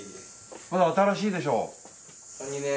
まだ新しいでしょ？